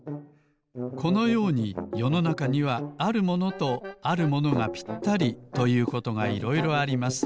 このようによのなかにはあるものとあるものがぴったりということがいろいろあります。